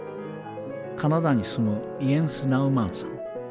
カナダに住むイエンス・ナウマンさん。